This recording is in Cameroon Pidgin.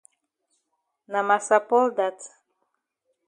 Na massa Paul dat.